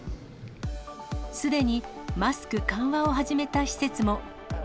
すでにマスク緩和を始めた施設も。